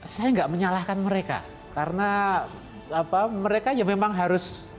saya tidak menyalahkan mereka karena mereka memang harus